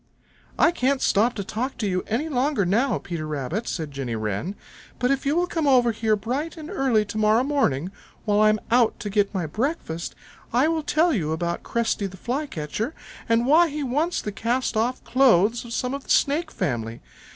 "I can't stop to talk to you any longer now, Peter Rabbit," said Jenny Wren, "but if you will come over here bright and early to morrow morning, while I am out to get my breakfast, I will tell you about Cresty the Flycatcher and why he wants the cast off clothes of some of the Snake family.